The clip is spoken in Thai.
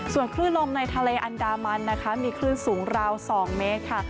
ส่วนคลื่นลมในทะวันอันดามันมีขึ้นสูงย์ราว๒เมตร